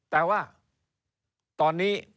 แต่ว่าตอนนี้